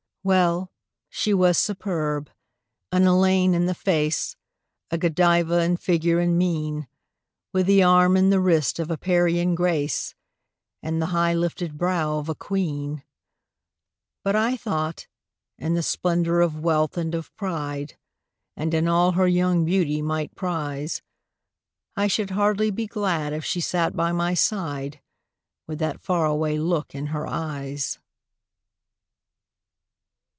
Well, she was superb an Elaine in the face, A Godiva in figure and mien, With the arm and the wrist of a Parian "Grace," And the high lifted brow of a queen; But I thought, in the splendor of wealth and of pride, And in all her young beauty might prize, I should hardly be glad if she sat by my side With that far away look in her eyes.